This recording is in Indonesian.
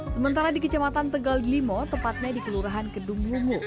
sementara di kejamatan tegal limau tepatnya di kelurahan kedung lumuh